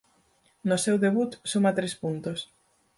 No seu debut suma tres puntos.